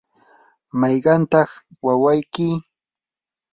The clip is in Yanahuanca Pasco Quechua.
¿mayqantaq wawayki?